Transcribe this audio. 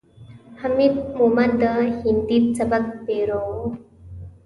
حمید مومند د هندي سبک پیرو ؤ.